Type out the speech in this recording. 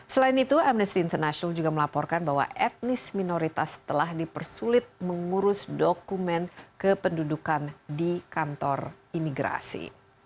selain itu amnesty international juga melaporkan bahwa etnis minoritas telah dipersulit mengurus dokumen kependudukan di kantor imigrasi